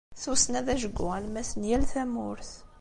Tussna d ajgu alemmas n yal tamurt.